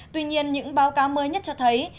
tuy nhiên những báo cáo mới nhất cho thấy